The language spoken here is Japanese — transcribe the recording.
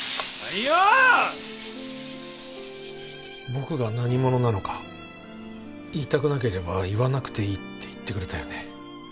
僕が何者なのか言いたくなければ言わなくていいって言ってくれたよね